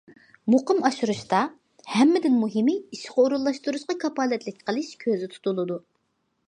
مۇقىم ئاشۇرۇشتا، ھەممىدىن مۇھىمى ئىشقا ئورۇنلاشتۇرۇشقا كاپالەتلىك قىلىش كۆزدە تۇتۇلىدۇ.